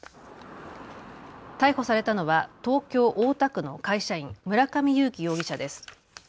逮捕されたのは東京大田区の会社員、村上友貴容疑者です。